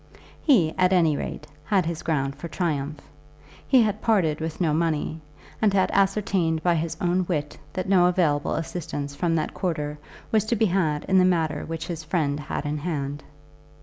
He, at any rate, had his ground for triumph. He had parted with no money, and had ascertained by his own wit that no available assistance from that quarter was to be had in the matter which his friend had in hand.